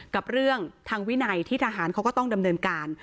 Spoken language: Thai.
กับเรื่องทางวินัยที่ทหารเขาก็ต้องดำเนินการ